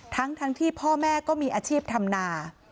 ทั้งที่พ่อแม่ก็มีอาชีพทำนา